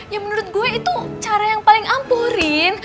ya menurut gue itu cara yang paling ampuh rin